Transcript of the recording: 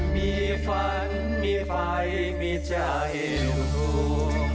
มีฝันมีไฟมีเจ้าให้รู้